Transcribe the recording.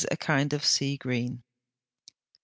a kind of sea green. 77.